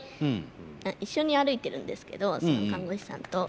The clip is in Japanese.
一緒に歩いてるんですけどその看護師さんと。